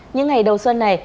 những ngày đầu xuân này